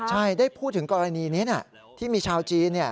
ใช่ได้พูดถึงกรณีนี้ที่มีชาวจีน